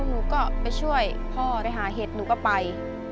หนูก็ไปช่วยพ่อไปหาเห็ดหนูก็ไป